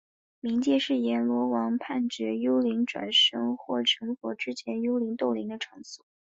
冥界是阎罗王判决幽灵转生或成佛之前幽灵逗留的场所。